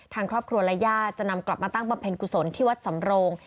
ทางครอบครัวและญาติจะนำกลับมาตั้งบำเพ็ญกุศลที่วัดสำโรง